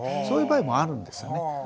そういう場合もあるんですよね。